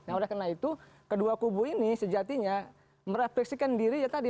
nah oleh karena itu kedua kubu ini sejatinya merefleksikan diri ya tadi